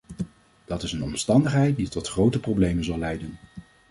Dat is een omstandigheid die tot grote problemen zal leiden.